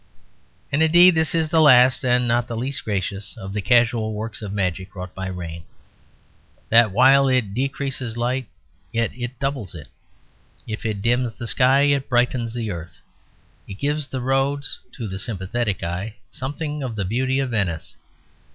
And indeed this is the last and not the least gracious of the casual works of magic wrought by rain: that while it decreases light, yet it doubles it. If it dims the sky, it brightens the earth. It gives the roads (to the sympathetic eye) something of the beauty of Venice.